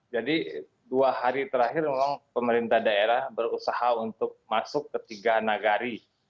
jadi dua hari terakhir memang pemerintah daerah berusaha untuk masuk ke tiga nagari